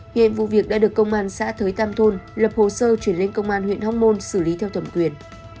hiện vụ việc đã được công an xã thới tam thôn lập hồ sơ chuyển lên công an huyện hóc môn xử lý theo thẩm quyền